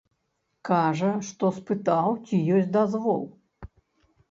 Кажа, што спытаў, ці ёсць дазвол.